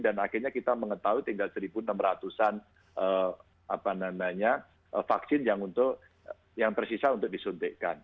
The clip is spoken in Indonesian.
dan akhirnya kita mengetahui tinggal seribu enam ratus an vaksin yang persisah untuk disuntikkan